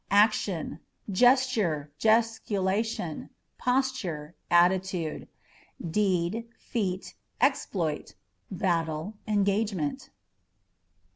Action â€" gesture, gesticulation, posture, attitude ; deed, feat, exploit ; battle, engagement.